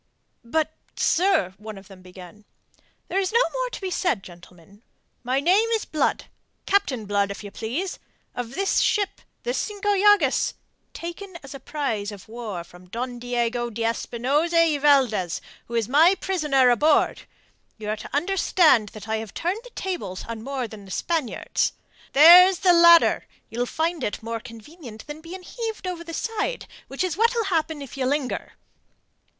"But, sir..." one of them began. "There is no more to be said, gentlemen. My name is Blood Captain Blood, if you please, of this ship the Cinco Llagas, taken as a prize of war from Don Diego de Espinosa y Valdez, who is my prisoner aboard. You are to understand that I have turned the tables on more than the Spaniards. There's the ladder. You'll find it more convenient than being heaved over the side, which is what'll happen if you linger."